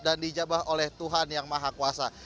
dan dijabah oleh tuhan yang maha kuasa